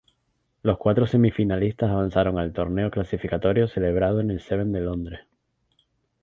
Los cuatro semifinalistas avanzaron al torneo clasificatorio celebrado en el Seven de Londres.